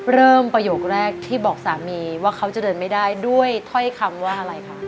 ประโยคแรกที่บอกสามีว่าเขาจะเดินไม่ได้ด้วยถ้อยคำว่าอะไรคะ